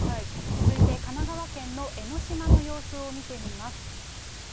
続いて神奈川県の江の島の様子を見てみます。